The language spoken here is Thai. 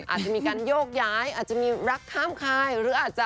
อาจจะมีการโยกย้ายอาจจะมีรักข้ามคายหรืออาจจะ